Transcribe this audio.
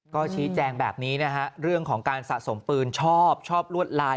ก็ชี้แจงแบบนี้นะฮะเรื่องของการสะสมปืนชอบชอบลวดลาย